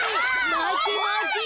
まてまて。